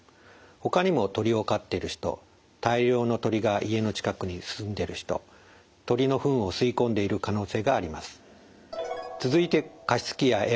ほかにも鳥を飼っている人大量の鳥が家の近くに住んでいる人鳥の糞を吸い込んでいる可能性があります。